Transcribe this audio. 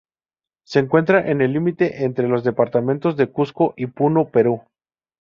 Se encuentra en el límite entre los departamentos de Cusco y Puno, Perú.